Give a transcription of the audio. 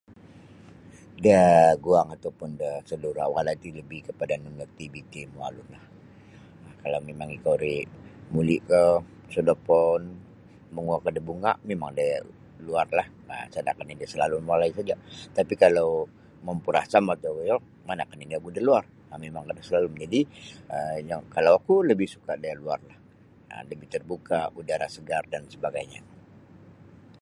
Da guang ataupun da salura walai ti lebi kepada nunu aktiviti mu alun lah kalau mimang ikau ri muli ko sodopon manguo ko da bunga mimang da luarlah isa kan da salalum walai saja tapi kalau mampurasam ogu yo mana ogu da luar mimang lah da salalum jadi yang um kalau oku labih suka da luar lah um lebih terbuka udara segar dan sebagainya.